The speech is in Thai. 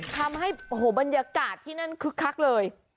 ทำให้บรรยากาศที่นั่นคลึกคลักเลย